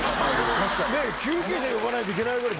ねぇ救急車呼ばないといけないぐらい。